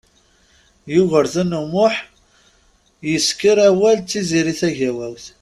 Yugurten U Muḥ isekker awal d Tiziri Tagawawt.